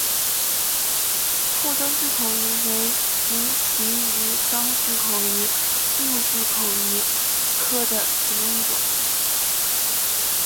腹灯巨口鱼为辐鳍鱼纲巨口鱼目巨口鱼科的其中一种。